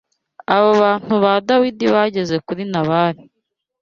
Abo bantu ba Dawidi bageze kuri Nabali